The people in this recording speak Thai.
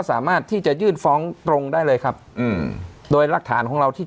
สามารถที่จะยื่นฟ้องตรงได้เลยครับอืมโดยรักฐานของเราที่